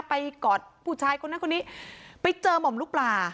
กอดผู้ชายคนนั้นคนนี้ไปเจอหม่อมลูกปลา